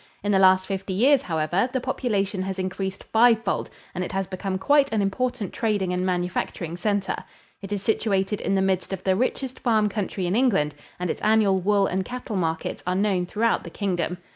In the last fifty years, however, the population has increased five fold and it has become quite on important trading and manufacturing center. It is situated in the midst of the richest farm country in England and its annual wool and cattle markets are known throughout the Kingdom.